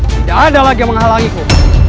tidak ada lagi menghalangiku